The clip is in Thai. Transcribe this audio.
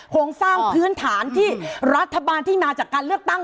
โครงสร้างพื้นฐานที่รัฐบาลที่มาจากการเลือกตั้ง